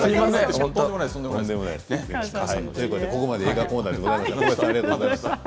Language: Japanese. ここまで映画コーナーでした。